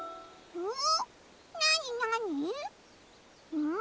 うん。